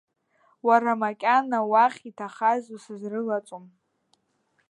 Уара макьана, уахь, иҭахаз усызрылаҵом.